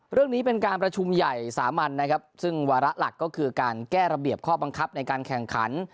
เรื่องนี้เป็นการประชุมใหญ่สามัญนะครับซึ่งวาระหลักก็คือการแก้ระเบียบข้อบังคับในการแข่งขัน